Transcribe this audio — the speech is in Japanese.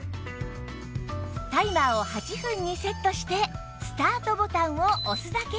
タイマーを８分にセットしてスタートボタンを押すだけ